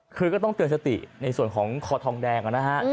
คือก็ต้องเตือนสติในส่วนของคอทองแดงนะฮะ